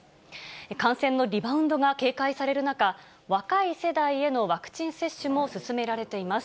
感染のリバウンドが警戒される中、若い世代へのワクチン接種も進められています。